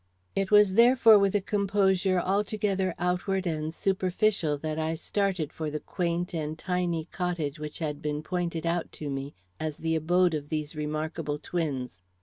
It was therefore with a composure altogether outward and superficial that I started for the quaint and tiny cottage which had been pointed out to me as the abode of these remarkable twins.